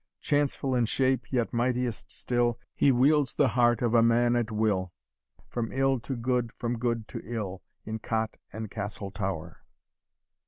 Chanceful in shape, yet mightiest still, He wields the heart of man at will, From ill to good, from good, to ill, In cot and castle tower."